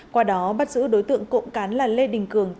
qua đó bắt giữ đối tượng cộng cán là lê đình cường